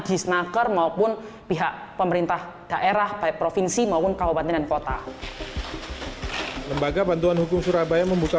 di snaker maupun pihak pemerintah daerah baik provinsi maupun kabupaten dan kota